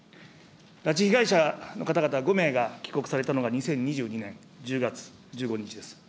拉致被害者の方々５名が帰国されたのが、２０２２年１０月１５日です。